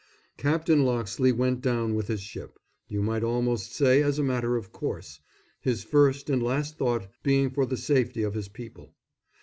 Captain Loxley went down with his ship, you might almost say as a matter of course, his first and last thought being for the safety of his people.